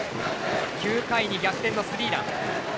９回に逆転のスリーラン。